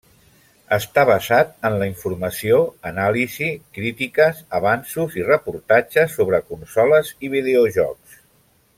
Està basat en la informació, anàlisi, crítiques, avanços i reportatges sobre consoles i videojocs.